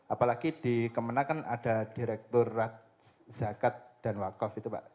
apalagi dikemenang kan ada direktur rat zakat dan wakof itu pak